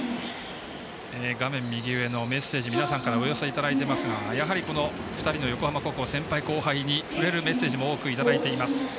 画面右上のメッセージ皆さんからお寄せいただいていますがやはり２人の横浜高校、先輩・後輩に触れるメッセージも多くいただいています。